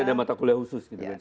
ada mata kuliah khusus